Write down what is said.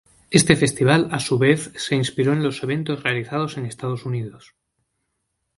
Este festival, a su vez, se inspiró en los eventos realizados en Estados Unidos.